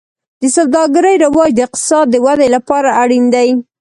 د سوداګرۍ رواج د اقتصاد د ودې لپاره اړین دی.